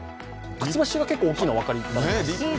くちばしが結構大きいのが分かります？